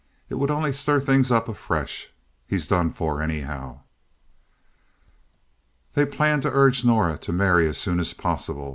It would only stir things up afresh. He's done for, anyhow." They planned to urge Norah to marry as soon as possible.